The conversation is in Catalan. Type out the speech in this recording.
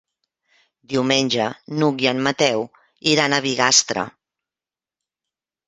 Diumenge n'Hug i en Mateu iran a Bigastre.